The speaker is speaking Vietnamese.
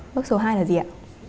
bước số hai là gì ạ